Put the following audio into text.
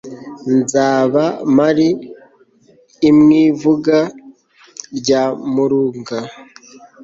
nzaba mpari imwivuga nyamurunga